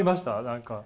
何か。